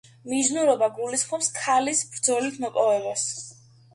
მიჯნურობა გულისხმობს ქალის ბრძოლით მოპოვებას.